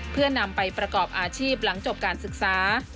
เพื่อนำไปประกอบอาชีพหลังจบการศึกษา